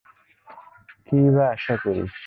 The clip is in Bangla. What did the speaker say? কী-ই বা আশা করিস?